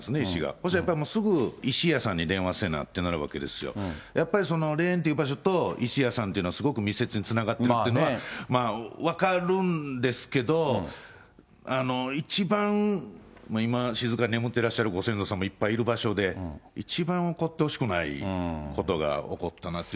そしたらすぐ石屋さんに電話せなってなるわけですよ、やっぱりその霊園って場所と石屋さんっていうのはすごく密接につながってるっていうのは分かるんですけど、一番、今、静かに眠ってらっしゃるご先祖様、いっぱいいる場所で、一番起こってほしくないことが起こったなって。